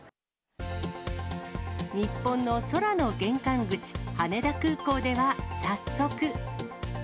日本の空の玄関口、羽田空港では、早速。